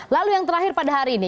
lalu yang terakhir pada hari ini